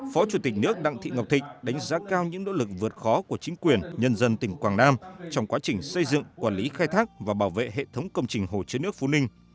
phó chủ tịch nước đặng thị ngọc thịnh đánh giá cao những nỗ lực vượt khó của chính quyền nhân dân tỉnh quảng nam trong quá trình xây dựng quản lý khai thác và bảo vệ hệ thống công trình hồ chứa nước phú ninh